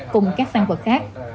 cùng các tăng vật khác